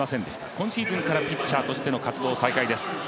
今シーズンからピッチャーとしての活動、再開です。